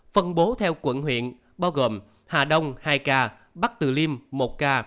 phân bố theo quận huyện bao gồm hà đông hai ca bắc từ liêm một ca